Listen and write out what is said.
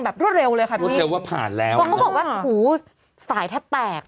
แบบรวดเร็วเลยค่ะรวดเร็วว่าผ่านแล้วบอกว่าหูสายแทบแตก